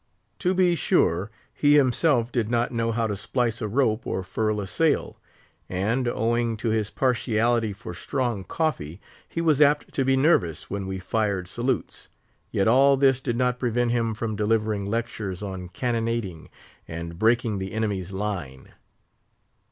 To be sure, he himself did not know how to splice a rope or furl a sail; and, owing to his partiality for strong coffee, he was apt to be nervous when we fired salutes; yet all this did not prevent him from delivering lectures on cannonading and "breaking the enemy's line."